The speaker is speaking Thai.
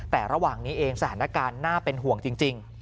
แต่ระหว่างนี้เองสถานการณ์น่าเป็นห่วงจริง